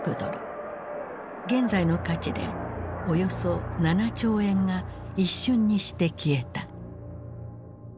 現在の価値でおよそ７兆円が一瞬にして消えた。